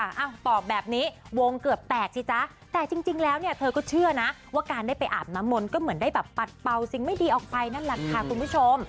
ตอบแบบนี้วงเกือบแตกสิจ๊ะแต่จริงแล้วเนี่ยเธอก็เชื่อนะว่าการได้ไปอาบน้ำมนต์ก็เหมือนได้แบบปัดเป่าสิ่งไม่ดีออกไปนั่นแหละค่ะคุณผู้ชม